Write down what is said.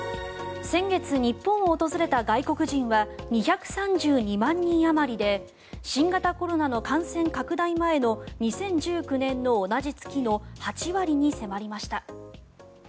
先月、日本を訪れた外国人は２３２万人あまりで新型コロナの感染拡大前の２０１９年の同じ月の８割に迫りました。